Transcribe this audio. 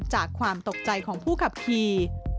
จากความตกใจของผู้ขับขี่